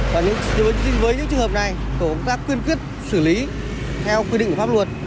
và với những trường hợp này tổ công tác quyên quyết xử lý theo quy định của pháp luật